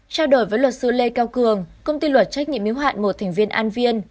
trao đổi với luật sư lê cao cường công ty luật trách nhiệm hiếu hạn một thành viên an viên